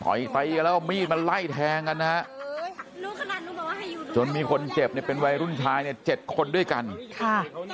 ไปกันแล้วเอามีดมาไล่แทงกันนะฮะจนมีคนเจ็บเนี่ยเป็นวัยรุ่นชายเนี่ยเจ็ดคนด้วยกันค่ะ